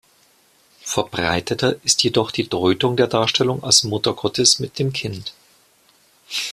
Verbreiteter ist jedoch die Deutung der Darstellung als Mutter Gottes mit dem Kind.